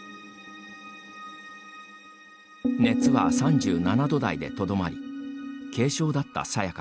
熱は３７度台でとどまり軽症だった、さやかさん。